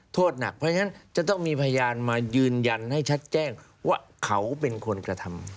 โทษหนักเพราะฉะนั้นจะต้องมีพยานมายืนยันให้ชัดแจ้งว่าเขาเป็นคนกระทำ